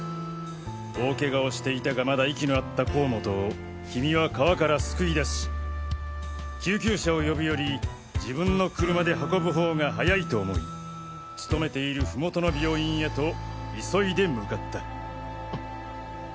大ケガをしていたがまだ息のあった甲本をキミは川から救い出し救急車を呼ぶより自分の車で運ぶ方が早いと思い勤めている麓の病院へと急いで向かった。